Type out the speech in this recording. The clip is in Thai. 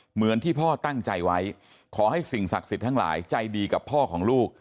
เหมือนที่พ่อตั้งใจไว้ขอให้สิ่งศักดิ์สิทธิ์ทั้งหลายใจดีกับพ่อของลูก